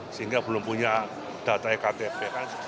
sehingga belum punya data ektp